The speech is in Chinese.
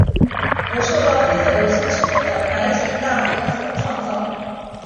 由受到黑色流星支配的白井大和所创造。